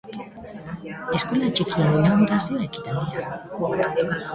Eskola txikien inaugurazio ekitaldia.